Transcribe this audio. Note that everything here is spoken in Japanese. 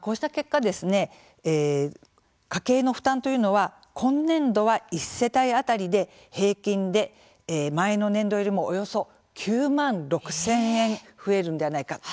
こうした結果家計の負担というのは今年度は１世帯当たりで平均で、前の年度よりもおよそ９万６０００円増えるんではないかと。